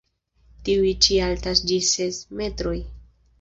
Tiuj ĉi altas ĝis ses metroj.